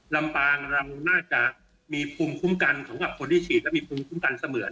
ลำปางเราน่าจะมีภูมิคุ้มกันสำหรับคนที่ฉีดและมีภูมิคุ้มกันเสมอ